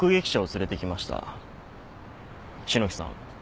篠木さん。